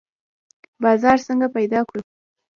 بازار څنګه پیدا کړو؟